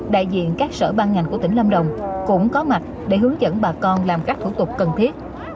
đại diện các sở ban ngành của tỉnh lâm đồng cũng có mặt để hướng dẫn bà con làm các thủ tục cần thiết